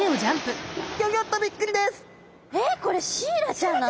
えっこれシイラちゃんなの！？